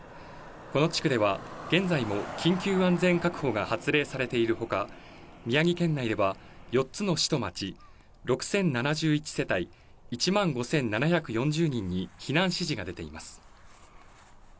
この地区では現在も緊急安全確保が発令されているほか、宮城県内では４つの市と町、６０７１世帯、１万５７４０人に避難指示が出ています。